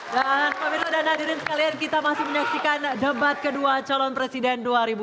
dan pemerintah dan hadirin sekalian kita masih menyaksikan debat kedua calon presiden dua ribu sembilan belas